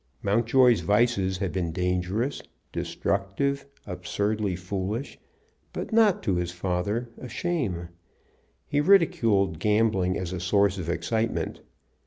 Mountjoy's vices had been dangerous, destructive, absurdly foolish, but not, to his father, a shame. He ridiculed gambling as a source of excitement.